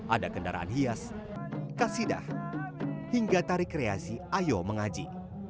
ada kendaraan hias kasidah hingga tarik kreasi ayo mengaji